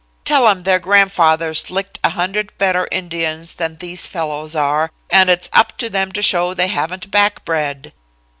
Tell 'em their grandfathers licked a hundred better Indians than these fellows are, and it's up to them to show they haven't back bred.'